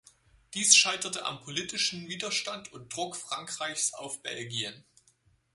Dies scheiterte am politischen Widerstand und Druck Frankreichs auf Belgien.